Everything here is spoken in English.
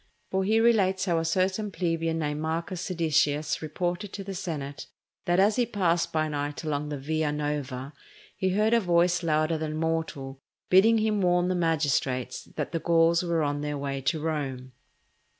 For he relates how a certain plebeian named Marcus Ceditius reported to the senate that as he passed by night along the Via Nova, he heard a voice louder than mortal, bidding him warn the magistrates that the Gauls were on their way to Rome.